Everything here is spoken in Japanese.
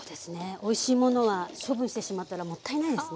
おいしいものは処分してしまったらもったいないですね。